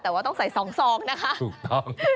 แต่ก็ต้องใส่๒สองต้นนะคะ